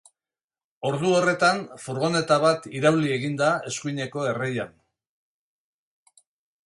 Ordu horretan, furgoneta bat irauli egin da eskuineko erreian.